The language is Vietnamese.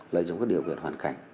lợi dụng các điều kiện hoàn cảnh